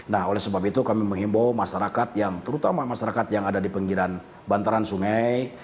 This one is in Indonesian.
nah oleh sebab itu kami menghimbau masyarakat yang terutama masyarakat yang ada di pinggiran bantaran sungai